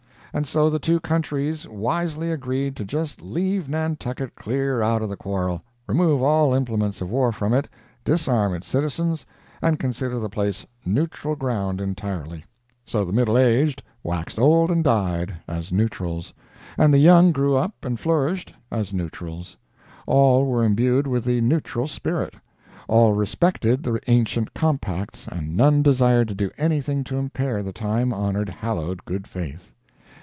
And so the two countries wisely agreed to just leave Nantucket clear out of the quarrel, remove all implements of war from it, disarm its citizens, and consider the place neutral ground entirely. So the middle aged waxed old and died—as neutrals; and the young grew up and flourished—as neutrals. All were imbued with the neutral spirit; all respected the ancient compacts and none desired to do anything to impair the time honored, hallowed good faith.